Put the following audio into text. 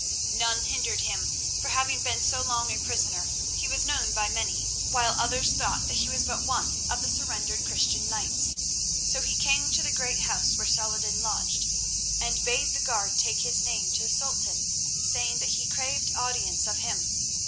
None hindered him, for having been so long a prisoner he was known by many, while others thought that he was but one of the surrendered Christian knights. So he came to the great house where Saladin lodged, and bade the guard take his name to the Sultan, saying that he craved audience of him.